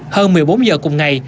hơn một mươi bốn giờ cùng ngày